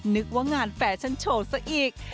นึกว่างานแฟชั่นโชว์ซะอีก